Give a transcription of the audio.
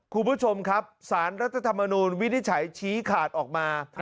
คุณผู้ชมครับสารรัฐธรรมนูลวินิจฉัยชี้ขาดออกมา